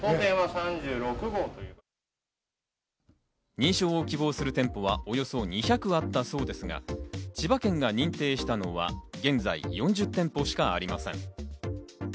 認証を希望する店舗はおよそ２００あったそうですが、千葉県が認定したのは現在４０店舗しかありません。